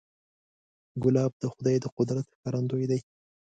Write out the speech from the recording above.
ګلاب د خدای د قدرت ښکارندوی دی.